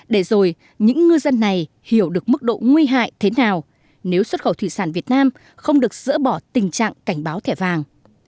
để rồi những ngư dân này hiểu được mức độ nguy hại thế nào nếu xuất khẩu thủy sản việt nam không được dỡ bỏ tình trạng cảnh báo thẻ vàng